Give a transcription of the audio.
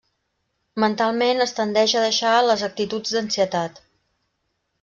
Mentalment es tendeix a deixar les actituds d'ansietat.